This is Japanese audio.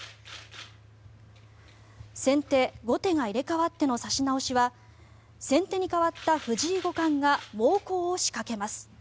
先手・後手が入れ替わっての指し直しは先手に変わった藤井五冠が猛攻を仕掛けます。